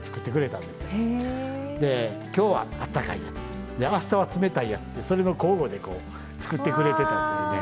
で今日はあったかいやつあしたは冷たいやつってそれの交互でこう作ってくれてたというね。